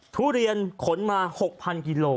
ทุเรียนขนมา๖๐๐กิโล